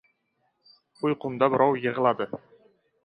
Uyqumda birov yig‘ladi.